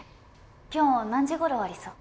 今日何時頃終わりそう？